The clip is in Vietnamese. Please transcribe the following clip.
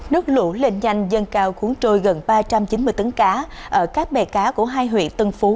nước lũ lên nhanh dân cao cuốn trôi gần ba trăm chín mươi tấn cá ở các bè cá của hai huyện tân phú